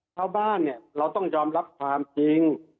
ชาวบ้านเนี่ยเราต้องยอมรับความจริง